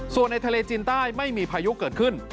ส่วนในทะเลจีนใต้ไม่มีพายุเกิดขึ้น